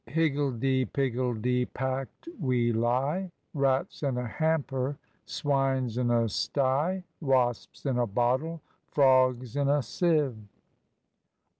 Higgledy piggledy packed we lie, Rats in a hamper, swines in a sty, Wasps in a bottle, frogs in a sieve.